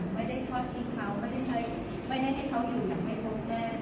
ไม่ได้ทอดที่เขาไม่ได้ให้เขาอยู่อย่างไม่พบแดน